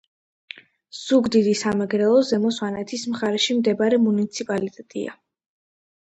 ზუგდიდი სამეგრელო - ზემო სვანეთის მხარეში მდებარე მუნიციპალიტეტია.